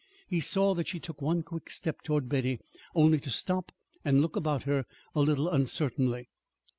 He saw that she took one quick step toward Betty, only to stop and look about her a little uncertainly.